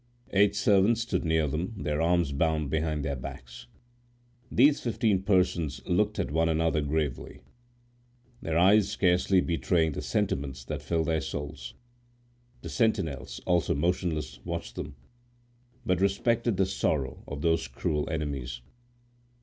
Eight servants stood near them, their arms bound behind their backs. These fifteen persons looked at one another gravely, their eyes scarcely betraying the sentiments that filled their souls. The sentinels, also motionless, watched them, but respected the sorrow of those cruel enemies.